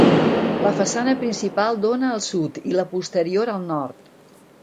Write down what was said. La façana principal dóna al sud i la posterior al nord.